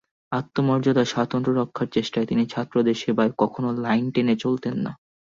আত্মমর্যাদার স্বাতন্ত্র্য রক্ষার চেষ্টায় তিনি ছাত্রদের সেবায় কখনো লাইন টেনে চলতেন না।